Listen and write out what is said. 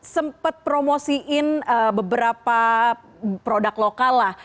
sempat promosiin beberapa produk lokal lah